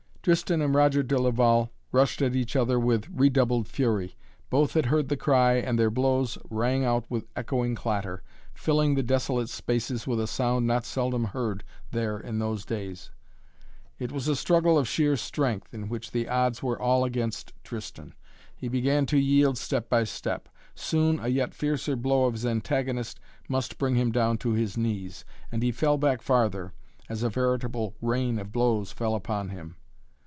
Tristan and Roger de Laval rushed at each other with redoubled fury. Both had heard the cry and their blows rang out with echoing clatter, filling the desolate spaces with a sound not seldom heard there in those days. It was a struggle of sheer strength, in which the odds were all against Tristan. He began to yield step by step. Soon a yet fiercer blow of his antagonist must bring him down to his knees, and he fell back farther, as a veritable rain of blows fell upon him.